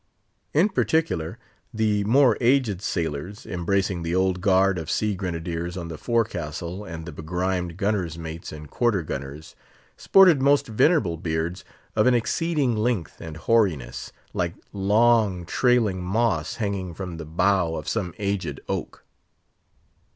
In particular, the more aged sailors, embracing the Old Guard of sea grenadiers on the forecastle, and the begrimed gunner's mates and quarter gunners, sported most venerable beards of an exceeding length and hoariness, like long, trailing moss hanging from the bough of some aged oak.